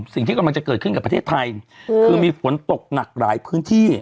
สิ่งที่กำลังจะเกิดขึ้นกับประเทศไทยคือมีฝนตกหนักหลายพื้นที่